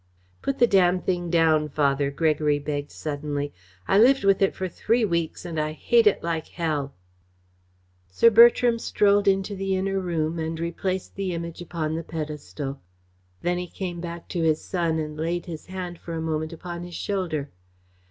"Put the damned thing down, Father," Gregory begged suddenly. "I lived with it for three weeks and I hate it like hell." Sir Bertram strolled into the inner room and replaced the Image upon the pedestal. Then he came back to his son and laid his hand for a moment upon his shoulder.